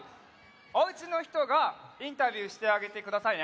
おうちのひとがインタビューしてあげてくださいね。